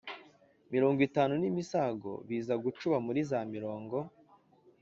mirongo itanu n'im isago biza gucuba muri za mirongo